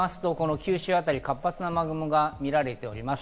九州あたりに活発な雨雲が見られています。